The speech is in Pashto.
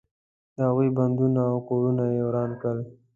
د هغوی بندونه او کورونه یې وران کړل.